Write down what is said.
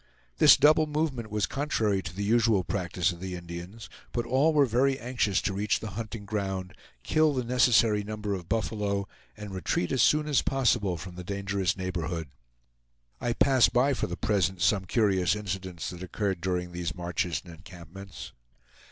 This double movement was contrary to the usual practice of the Indians, but all were very anxious to reach the hunting ground, kill the necessary number of buffalo, and retreat as soon as possible from the dangerous neighborhood. I pass by for the present some curious incidents that occurred during these marches and encampments.